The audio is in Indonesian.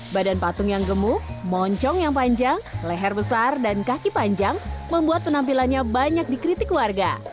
badan patung yang gemuk moncong yang panjang leher besar dan kaki panjang membuat penampilannya banyak dikritik warga